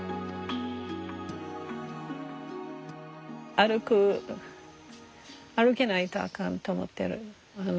歩く歩けないとあかんと思ってる。